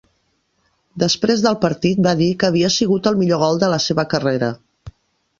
Després del partit va dir que havia sigut el millor gol de la seva carrera.